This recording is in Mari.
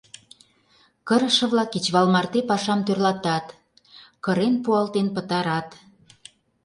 ...Кырыше-влак кечывал марте пашам тӧрлатат: кырен-пуалтен пытарат.